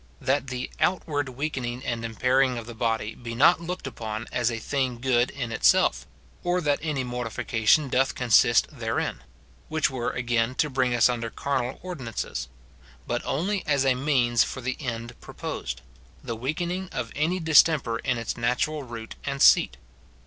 That the outward weakening and impairing of the body be not looked upon as a thing good in itself, or that [ 256 MORTIFICATION OF any mortification doth consist therein, — which were again to bring us under carnal ordinances ; but only as a means for the end proposed, — the weakening of any dis temper in its natural root and seat.